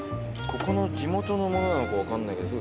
ここの地元のものなのか分かんないけど。